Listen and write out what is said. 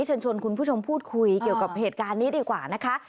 เชิญชวนคุณผู้ชมพูดคุยเกี่ยวกับเหตุการณ์นี้ดีกว่านะคะ